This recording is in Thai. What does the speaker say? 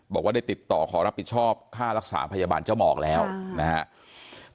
บอกว่าได้ติดต่อขอรับผิดชอบค่ารักษาพยาบาลเจ้าหมอกแล้วนะครับ